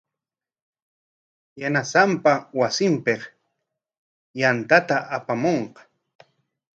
Yanasanpa wasinpik yantata apamunqa.